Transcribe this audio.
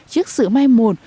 trước sự mai một